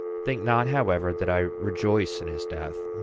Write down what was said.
Think not, however, that I rejoice in his death.